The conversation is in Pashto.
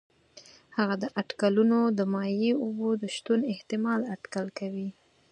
هغه اټکلونه د مایع اوبو د شتون احتمال اټکل کوي.